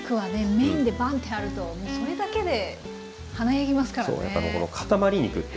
メインでバンッてあるともうそれだけで華やぎますからね。